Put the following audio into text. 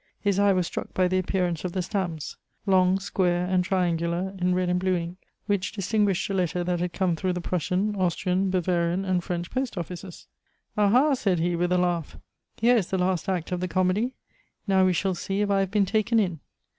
His eye was struck by the appearance of the stamps long, square, and triangular, in red and blue ink, which distinguished a letter that had come through the Prussian, Austrian, Bavarian, and French post offices. "Ah ha!" said he with a laugh, "here is the last act of the comedy; now we shall see if I have been taken in!"